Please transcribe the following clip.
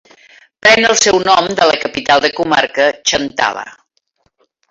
Pren el seu nom de la capital de comarca, Chantada.